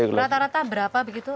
rata rata berapa begitu